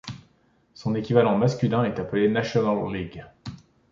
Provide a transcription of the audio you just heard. Son équivalent masculin est appelé National League.